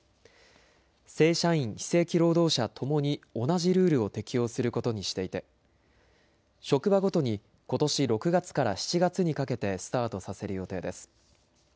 正社員・非正規労働者ともに同じルールを適用することにしていて職場ごとにことし６月から７月にかけてスタートさせる予定です。